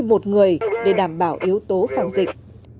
một người để đảm bảo yếu tố phòng dịch